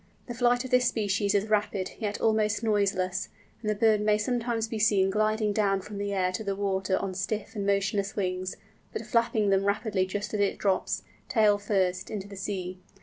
The flight of this species is rapid, yet almost noiseless, and the bird may sometimes be seen gliding down from the air to the water on stiff and motionless wings, but flapping them rapidly just as it drops, tail first, into the sea.